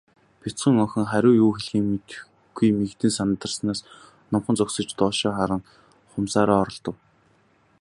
Бяцхан охин хариу юу хэлэхээ мэдэхгүй, мэгдэн сандарснаас номхон зогсож, доош харан хумсаараа оролдов.